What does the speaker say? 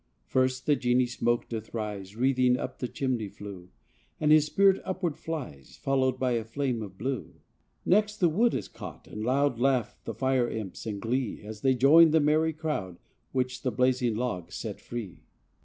First the genie smoke doth rise, Wreathing up the chimney flue, And his spirit upward flies, Followed by a flame of blue; Next the wood is caught and loud Laugh the fire imps in glee As they join the merry crowd Which the blazing logs set free.